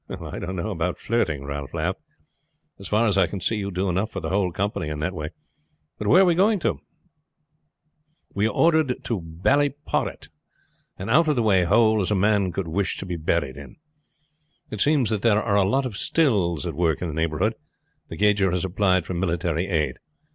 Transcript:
"I don't know about flirting," Ralph laughed. "As far as I can see you do enough for the whole company in that way. But where are we going to?" "We are ordered to Ballyporrit. An out of the way hole as a man could wish to be buried in. It seems that there are a lot of stills at work in the neighborhood. The gauger has applied for military aid.